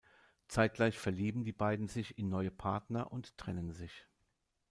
Zeitgleich verlieben die beiden sich in neue Partner und trennen sich.